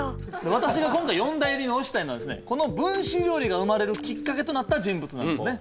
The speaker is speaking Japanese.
私が今回四大入りに推したいのはこの分子料理が生まれるきっかけとなった人物なんですね。